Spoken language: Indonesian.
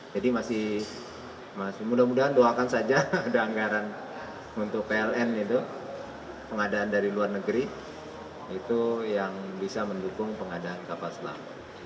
jadi masih mudah mudahan doakan saja ada anggaran untuk pln itu pengadaan dari luar negeri itu yang bisa mendukung pengadaan kapal selam